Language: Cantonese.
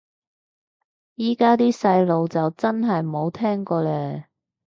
依家啲細路就真係冇聽過嘞